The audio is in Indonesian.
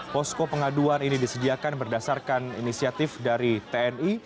posko pengaduan ini disediakan berdasarkan inisiatif dari tni